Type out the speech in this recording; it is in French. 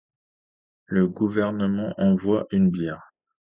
Le gouvernement envoie une bière.